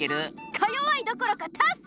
かよわいどころかタフ！